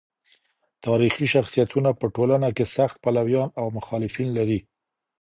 تاریخي شخصیتونه په ټولنه کي سخت پلویان او مخالفین لري.